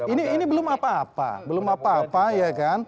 ini belum apa apa